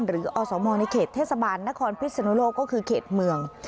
อสมในเขตเทศบาลนครพิศนุโลกก็คือเขตเมือง